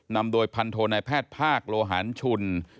นำโดยพันโทนายแพทย์ภาคโลหารชุน